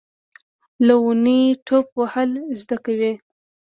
له ونې ټوپ وهل زده کوي .